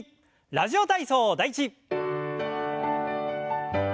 「ラジオ体操第１」。